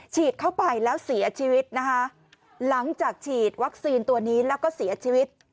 ฉีดเข้าไปแล้วเสียชีวิตนะคะหลังจากฉีดวัคซีนตัวนี้แล้วก็เสียชีวิต